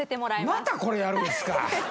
またこれやるんすか。